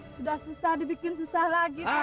sudah susah dibikin susah lagi